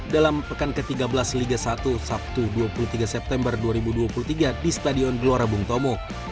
dalam pekan ke tiga belas liga satu sabtu dua puluh tiga september dua ribu dua puluh tiga di stadion gelora bung tomo